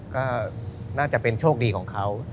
ก็น่าจะเป็นโชคดีของเขา